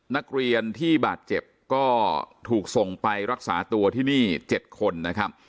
นักเรียนที่บาดเจ็บก็ถูกส่งไปรักษาตัวที่นี่๗คนนะครับ